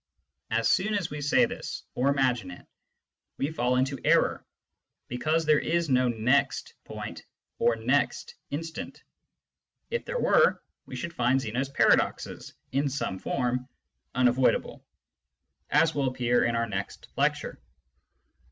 As soon as we say this or imagine it, we fall into error, because there is no next point or next instant. If there were, we should find Zeno's paradoxes, in some form, unavoidable, as will appear in our next lecture.